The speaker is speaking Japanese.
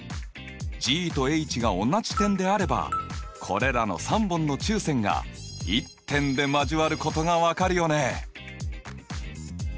ＧとＨが同じ点であればこれらの３本の中線が１点で交わることが分かるよね。